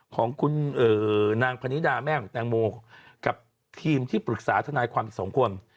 ของคุณนางพนิดาแม่ของแตงโมกับทีมที่ปรึกษาทนายความอีกสองคน